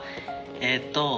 えっと